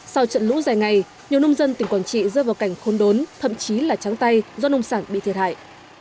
sau trận lũ dài ngày nhiều nông dân tỉnh quảng trị rơi vào cảnh khôn đốn thậm chí là trắng tay do nông sản bị thiệt hại